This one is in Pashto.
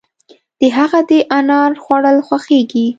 د هغه د انار خوړل خوښيږي.